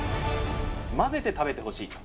混ぜて食べてほしいと。